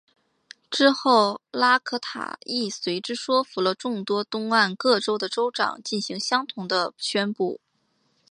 之后拉可塔亦随之说服了众多东岸各州的州长进行相同的宣布。